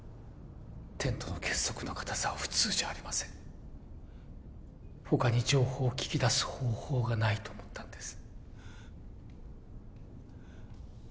テントの結束の固さは普通じゃありません他に情報を聞き出す方法がないと思ったんです